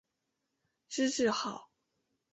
知制诰。